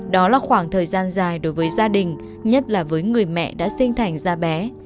đó là khoảng thời gian dài đối với gia đình nhất là với người mẹ đã sinh thành ra bé